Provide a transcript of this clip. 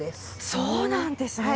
そうなんですね。